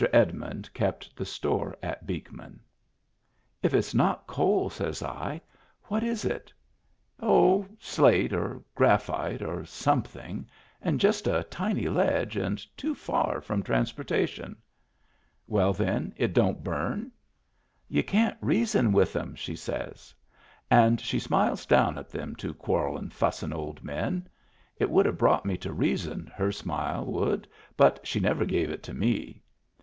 Edmund kept the store at Beekman. " If it's not coal," says I, " what is it ?" Digitized by Google 238 MEMBERS OF THE FAMILY "Oh, slate, or graphite, or something — and just a tiny ledge, and too far from transportation." " Well, then, it don't burn." " You can't reason with them," sa)rs she. And she smiles down at them two quarrelin', fussin' old men. It would have brought me to reason, her smile would, but she never gave it to me.